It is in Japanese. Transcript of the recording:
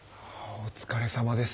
お疲れさまです。